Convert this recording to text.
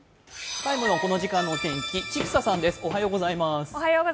「ＴＩＭＥ，」のこの時間のお天気、千種さんです。